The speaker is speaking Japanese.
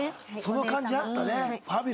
その感じあったね。